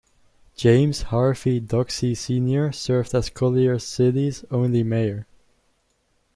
James Harvey Doxsee Senior served as Collier City's only mayor.